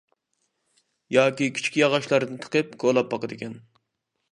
ياكى كىچىك ياغاچلارنى تىقىپ كولاپ باقىدىكەن.